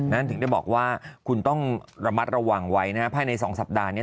ถึงได้บอกว่าคุณต้องระมัดระวังไว้นะฮะภายใน๒สัปดาห์นี้